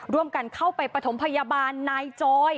ร่วมกันเข้าไปปฐมพยาบาลนายจอย